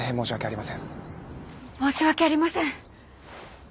申し訳ありません。